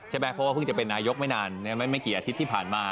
ใช่ไหมเพราะว่าเพิ่งจะเป็นนายกไม่นานไม่กี่อาทิตย์ที่ผ่านมา